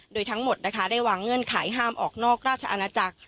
โดยทั้งหมดนะคะได้วางเงื่อนไขห้ามออกนอกราชอาณาจักร